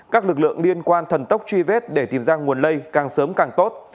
các lực lượng liên quan thần tốc truy vết để tìm ra nguồn lây càng sớm càng tốt